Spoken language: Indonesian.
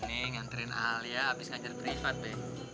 nih ngantrin alia abis ngajar privat be